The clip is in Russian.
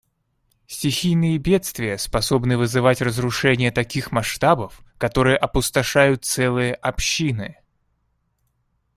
Стихийные бедствия способны вызывать разрушения таких масштабов, которые опустошают целые общины.